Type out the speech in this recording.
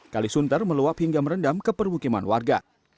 kali sunter meluap hingga merendam ke permukiman warga